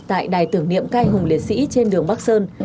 tại đài tưởng niệm canh hùng liệt sĩ trên đường bắc sơn